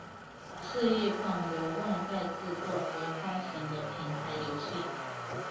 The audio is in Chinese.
是一款由万代制作和发行的平台游戏。